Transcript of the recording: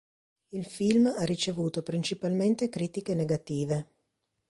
Il film ha ricevuto principalmente critiche negative.